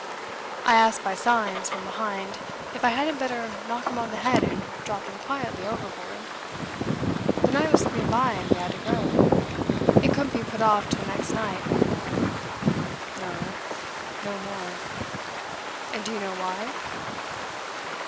I asked by signs, from behind, if I hadn't better knock him on the head and drop him quietly overboard. The night was slipping by, and we had to go. It couldn't be put off till next night no more. No. No more. And do you know why?"